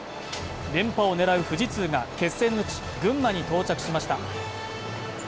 連覇を狙う富士通が決戦の地、群馬に到着しました。